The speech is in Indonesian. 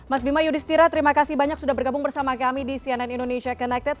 mas bima yudhistira terima kasih banyak sudah bergabung bersama kami di cnn indonesia connected